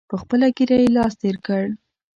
په خپله ږیره یې لاس تېر کړ.